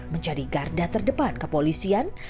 beran dianggap sebagai garda terdepan kepolisian